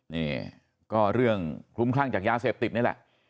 นี่ก็เรื่องคลุ้มคลั่งจากยาเสพติดนี่แหละ